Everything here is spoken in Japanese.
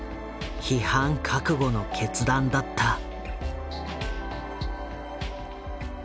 批判覚悟の決断だった。